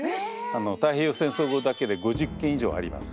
太平洋戦争後だけで５０件以上あります。